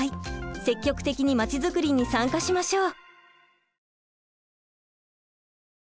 積極的にまちづくりに参加しましょう。